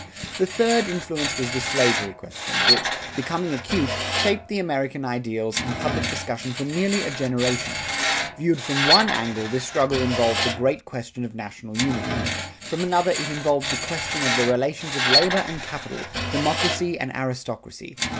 The third influence was the slavery question which, becoming acute, shaped the American ideals and public discussion for nearly a generation. Viewed from one angle, this struggle involved the great question of national unity. From another it involved the question of the relations of labor and capital, democracy and aristocracy.